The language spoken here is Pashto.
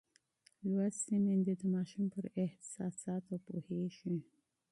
لوستې میندې د ماشوم پر احساساتو پوهېږي.